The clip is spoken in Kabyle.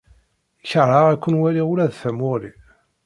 Keṛheɣ ad ken-waliɣ ula d tamuɣli.